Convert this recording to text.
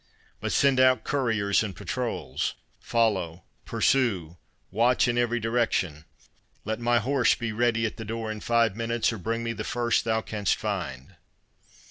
But send out couriers and patrols—Follow, pursue, watch in every direction—Let my horse be ready at the door in five minutes, or bring me the first thou canst find."